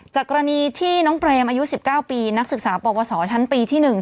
จากกรณีที่น้องเปรมอายุสิบเก้าปีนักศึกษาประวัติศาสตร์ชั้นปีที่หนึ่ง